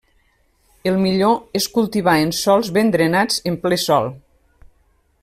El millor és cultivar en sòls ben drenats en ple sol.